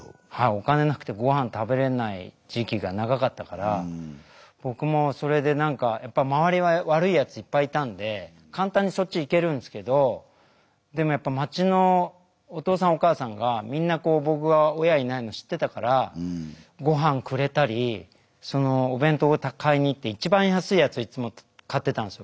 お金なくてごはん食べれない時期が長かったから僕もそれで何かやっぱ周りは悪いやついっぱいいたんで簡単にそっち行けるんですけどでもやっぱ町のおとうさんおかあさんがみんなこうごはんくれたりお弁当買いに行って一番安いやついつも買ってたんですよ